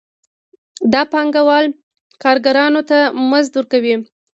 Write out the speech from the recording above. دا پانګوال کارګرانو ته مزد ورکوي